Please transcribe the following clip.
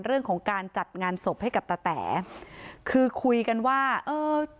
เรื่องของการจัดงานศพให้กับตาแต๋คือคุยกันว่าเออ